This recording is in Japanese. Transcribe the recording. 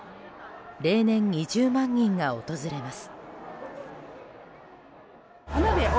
例年２０万人が訪れます。